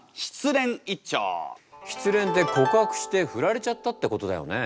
失恋って告白して振られちゃったってことだよね。